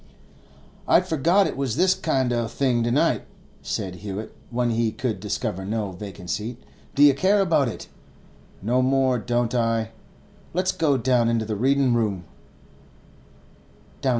'I'd forgot it was this kind o' thing to night,' said Hewett, when he could discover no vacant seat. 'Do you care about it? No more don't I; let's go down into the readin' room.